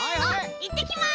いってきます。